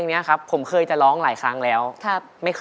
รักเธอกลบไป